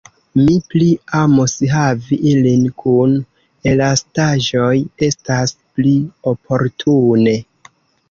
Mi pli amus havi ilin kun elastaĵoj, estas pli oportune.